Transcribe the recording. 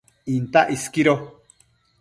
Intac isquido